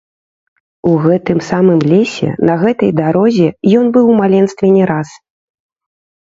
У гэтым самым лесе, на гэтай дарозе ён быў у маленстве не раз.